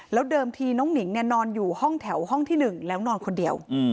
เดิมทีน้องหนิงนอนอยู่ห้องแถวห้องที่๑แล้วนอนคนเดียว